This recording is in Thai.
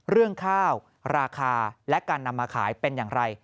เรื่องข้าวราคาและการนำมาขายเป็นอย่างไร